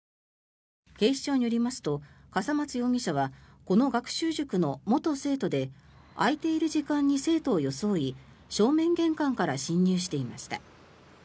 警視庁によりますと笠松容疑者はこの学習塾の元生徒で開いている時間に生徒を装い正面玄関から侵入していました。